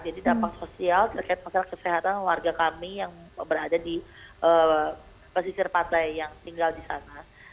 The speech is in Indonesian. jadi dampak sosial terkait masalah kesehatan warga kami yang berada di pesisir pantai yang tinggal di sana